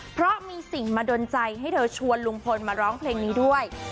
เพราะมีสิ่งมาดนใจให้เธอชวนลุงพลมาร้องเพลงนี้ด้วย